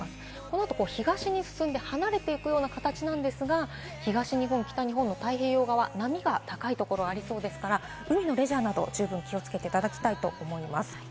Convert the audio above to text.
このあと東に進んで、離れていく形ですが、東日本、北日本の太平洋側、波が高いところがありそうですから、海のレジャーなど十分気をつけていただきたいと思います。